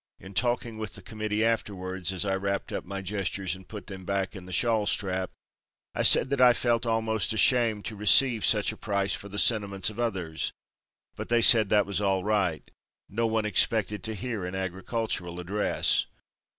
In talking with the committee afterwards, as I wrapped up my gestures and put them back in the shawl strap, I said that I felt almost ashamed to receive such a price for the sentiments of others, but they said that was all right. No one expected to hear an Agricultural Address.